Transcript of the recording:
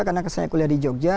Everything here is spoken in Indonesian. karena saya kuliah di jogja